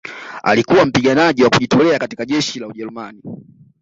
alikuwa mpiganaji wa kujitolea katika jeshi la ujerumani